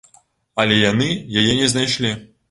Але яны яе не знайшлі